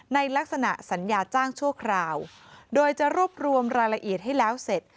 ในลักษณะสัญญาจ้างชั่วคราวโดยจะรวบรวมรายละเอียดให้แล้วเสร็จ